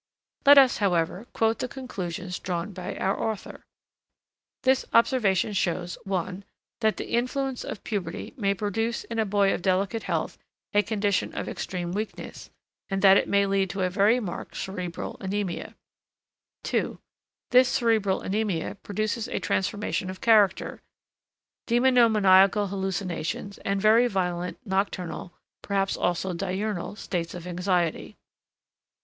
Let us, however, quote the conclusions drawn by our author. This observation shows: 1, That the influence of puberty may produce in a boy of delicate health a condition of extreme weakness, and that it may lead to a very marked cerebral anæmia. 2. This cerebral anæmia produces a transformation of character, demonomaniacal hallucinations, and very violent nocturnal, perhaps also diurnal, states of anxiety.